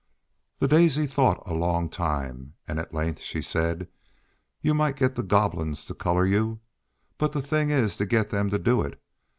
The daisy thought a long time, and at length she said: "You might get the Goblins to color you, but the thing is to get them to do it.